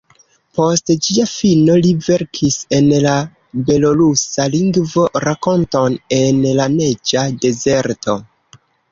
Post ĝia fino li verkis en la belorusa lingvo rakonton ""En la neĝa dezerto"".